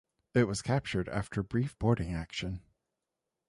It was captured after a brief boarding action.